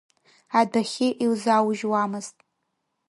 Адәахьы илзаужьуамызт.